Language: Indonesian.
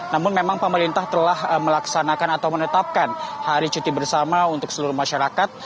namun memang pemerintah telah melaksanakan atau menetapkan hari cuti bersama untuk seluruh masyarakat